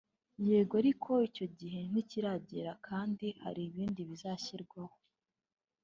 Yego ariko icyo gihe ntikiragera kandi hari ibindi bizashingirwaho